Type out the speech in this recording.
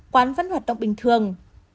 quán vẫn hoạt động bình thường